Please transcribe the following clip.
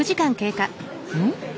うん？